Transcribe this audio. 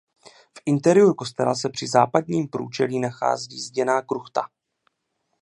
V interiéru kostela se při západním průčelí nachází zděná kruchta.